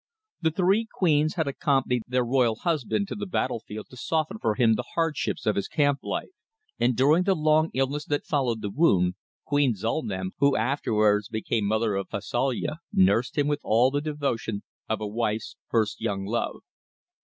The three queens had accompanied their royal husband to the battlefield to soften for him the hardships of his camp life, and during the long illness that followed the wound, Queen Zulnam, who afterwards became mother of Fausalya, nursed him with all the devotion of a wife's first young love.